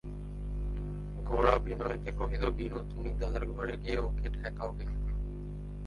গোরা বিনয়কে কহিল, বিনু, তুমি দাদার ঘরে গিয়ে ওঁকে ঠেকাও গে।